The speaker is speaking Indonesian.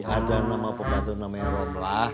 ada nama pekatu namanya rombla